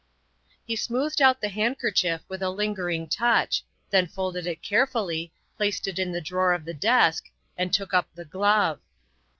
He smoothed out the handkerchief with a lingering touch, then folded it carefully, placed it in the drawer of the desk, and took up the glove.